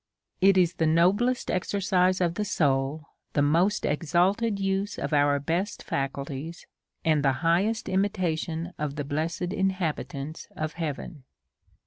It is the noblest exercise of the soul, the most exalt ed use of our best faculties, and the highest estimation of the blessed inhabitants of heaven.